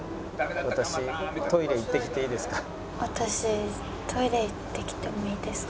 私トイレ行ってきてもいいですか？